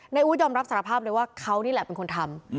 อู๊ดยอมรับสารภาพเลยว่าเขานี่แหละเป็นคนทำ